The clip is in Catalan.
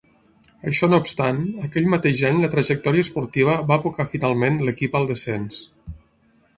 Això no obstant, aquell mateix any la trajectòria esportiva va abocar finalment l'equip al descens.